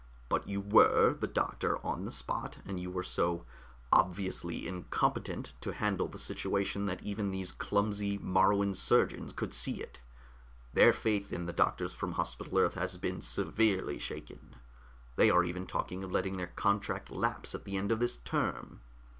"But you were the doctor on the spot, and you were so obviously incompetent to handle the situation that even these clumsy Moruan surgeons could see it. Their faith in the doctors from Hospital Earth has been severely shaken. They are even talking of letting their contract lapse at the end of this term."